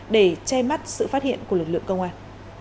để che mắt sự phát hiện của lực lượng công an